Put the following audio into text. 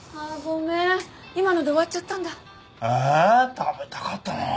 食べたかったなあ。